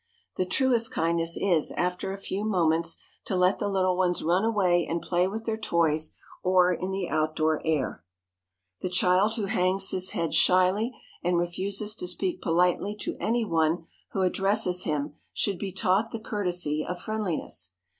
The truest kindness is, after a few moments, to let the little ones run away and play with their toys or in the outdoor air. The child who hangs his head shyly, and refuses to speak politely to any one who addresses him, should be taught the courtesy of friendliness.